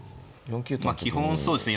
まあ基本そうですね